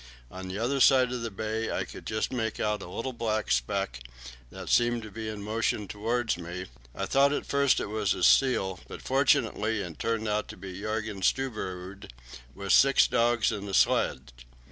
On the other side of the bay I could just make out a little black speck, that seemed to be in motion towards me. I thought at first it was a seal, but, fortunately, it turned out to be Jörgen Stubberud with six dogs and a sledge.